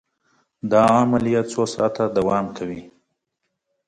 دا عملیه څو ساعته دوام کوي.